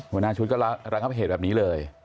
หัวหน้าชุดก็ระงับเหตุแบบนี้เลย